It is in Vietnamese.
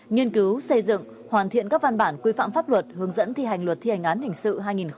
nghiên cứu xây dựng hoàn thiện các văn bản quy phạm pháp luật hướng dẫn thi hành luật thi hành án hình sự hai nghìn một mươi năm